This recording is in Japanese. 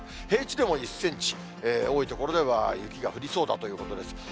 平地でも１センチ、多い所では雪が降りそうだということです。